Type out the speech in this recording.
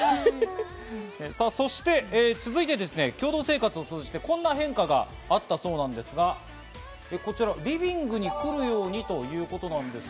続いて共同生活を通じてこんな変化があったそうなんですが、リビングに来るようにということですが。